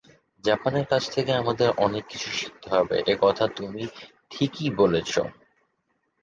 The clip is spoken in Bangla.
জাপানের কাছ থেকে আমাদের অনেক কিছু শিখতে হবে, এ-কথা তুমি ঠিকই বলেছ।